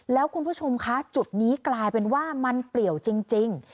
แล้วคุณผู้ชมคะจุดนี้กลายเป็นว่ามันเปลี่ยวจริง